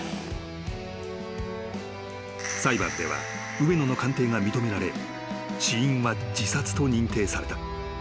［裁判では上野の鑑定が認められ死因は自殺と認定された］